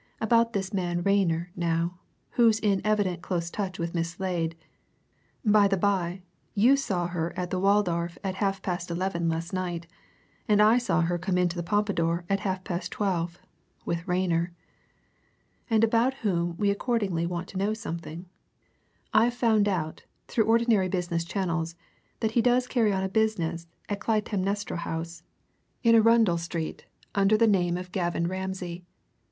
About this man Rayner now, who's in evident close touch with Miss Slade (by the by, you saw her at the Waldorf at half past eleven last night, and I saw her come into the Pompadour at half past twelve, with Rayner), and about whom we accordingly want to know something I've found out, through ordinary business channels, that he does carry on a business at Clytemnestra House, in Arundel Street, under the name of Gavin Ramsay.